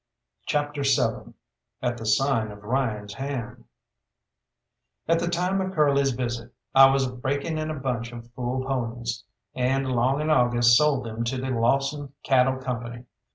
CHAPTER VII AT THE SIGN OF RYAN'S HAND At the time of Curly's visit I was breaking in a bunch of fool ponies, and along in August sold them to the Lawson Cattle Company.